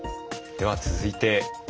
では続いて。